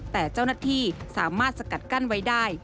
แต่เจ้าหน้าที่สามารถสกัดกั้นไว้ได้